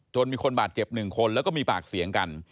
มีคนบาดเจ็บ๑คนแล้วก็มีปากเสียงกัน